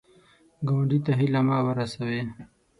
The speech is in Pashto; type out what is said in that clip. ګاونډي ته هیله مه ورسوې